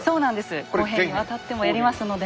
後編にわたってもやりますのでね